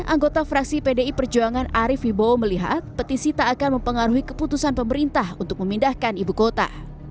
anggota fraksi pdi perjuangan arief wibowo melihat petisi tak akan mempengaruhi keputusan pemerintah untuk memindahkan ibu kota